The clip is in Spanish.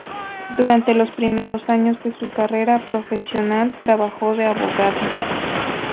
Durante los primeros años de su carrera profesional trabajó de abogada.